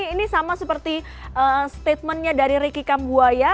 ini sama seperti statementnya dari ricky kambuaya